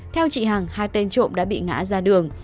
theo chị hằng hai tên trộm đã bị ngã ra đường